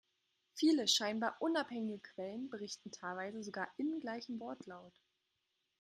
Viele scheinbar unabhängige Quellen, berichten teilweise sogar im gleichen Wortlaut.